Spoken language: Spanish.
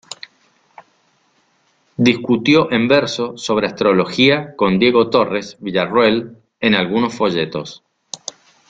Discutió en verso sobre astrología con Diego Torres Villarroel en algunos folletos.